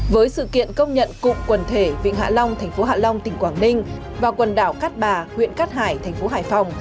với sự kiện công nhận cụm quần thể vịnh hạ long tp hạ long tỉnh quảng ninh và quần đảo cát bà huyện cát hải tp hải phòng